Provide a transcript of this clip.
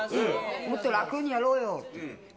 もっと楽にやろうよって。